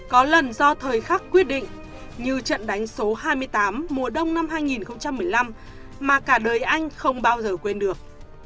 có lần do thời khắc quyết định như trận đánh số hai mươi tám mùa đông năm hai nghìn một mươi năm mà cả đời anh không bao giờ quên được